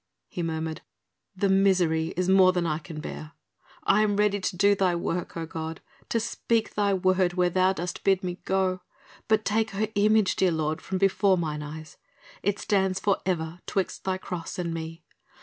he murmured. "The misery is more than I can bear. I am ready to do Thy work, oh God, to speak Thy Word where Thou dost bid me go, but take her image, dear Lord, from before mine eyes, it stands for ever 'twixt Thy Cross and me.